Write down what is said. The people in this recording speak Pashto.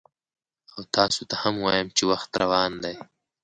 او تاسو ته هم وایم چې وخت روان دی،